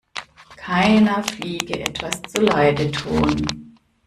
Keiner Fliege etwas zuleide tun.